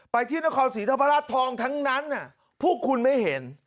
ไปที่นครศรีธรรมราชทองทั้งนั้นพวกคุณไม่เห็น